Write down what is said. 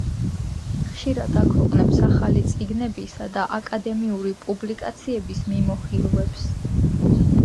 ხშირად აქვეყნებს ახალი წიგნებისა და აკადემიური პუბლიკაციების მიმოხილვებს.